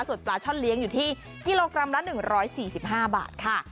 ส่วนปลาช่อนเลี้ยงอยู่ที่กิโลกรัมละ๑๔๕บาทค่ะ